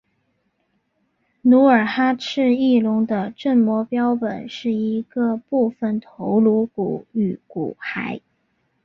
努尔哈赤翼龙的正模标本是一个部份头颅骨与骨骸。